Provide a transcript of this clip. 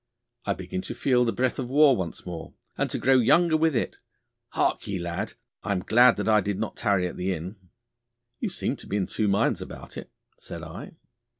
I begin to feel the breath of war once more, and to grow younger with it. Hark ye, lad! I am glad that I did not tarry at the inn.' 'You seemed to be in two minds about it,' said I.